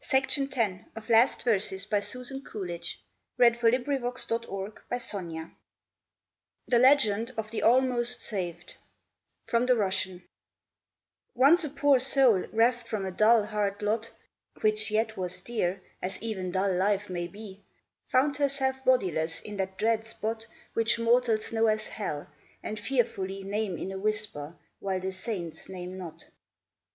26 THE LEGEND OF THE ALMOST SA VED THE LEGEND OF THE ALMOST SAVED FROM THE RUSSIAN ONCE a poor soul, reft from a dull, hard lot (Which yet was dear, as even dull life may be), Found herself bodiless in that dread spot Which mortals know as " Hell " and fearfully Name in a whisper, while the Saints name not.